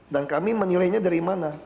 dan kami menilainya dari mana